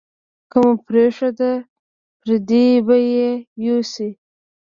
که مو پرېښوده، پردي به یې یوسي.